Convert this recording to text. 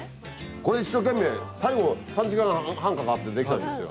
これ一生懸命最後３時間半かかってできたんですよ。